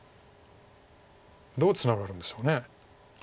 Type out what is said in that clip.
どうツナがるんでしょう。